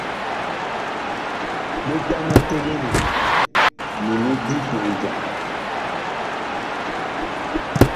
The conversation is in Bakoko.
Ɓetan a teɓeli mini di puh jam.